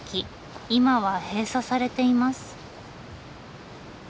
今は閉鎖されています。